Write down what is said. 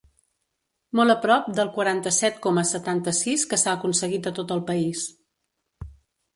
Molt a prop del quaranta-set coma setanta-sis que s’ha aconseguit a tot el país.